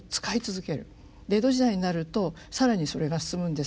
江戸時代になると更にそれが進むんですが。